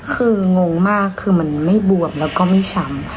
คืองงมากคือมันไม่บวมแล้วก็ไม่ช้ำ